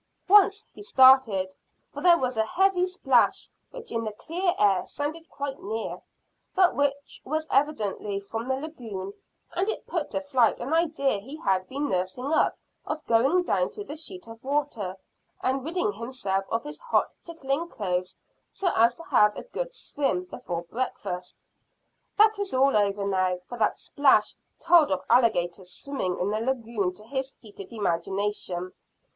Once he started, for there was a heavy splash which in the clear air sounded quite near, but which was evidently from the lagoon; and it put to flight an idea he had been nursing up of going down to the sheet of water and ridding himself of his hot tickling clothes so as to have a good swim before breakfast. That was all over now, for that splash told of alligators swimming in the lagoon to his heated imagination.